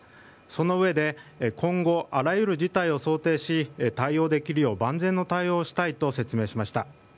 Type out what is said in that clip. そのうえで今後、あらゆる事態を想定し、対応できるよう万全の対応をしたいと説明しました。